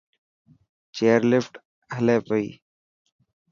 چيئرلفٽ هلي پئي